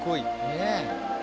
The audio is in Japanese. ねえ！